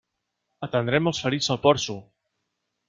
Atendrem els ferits al porxo.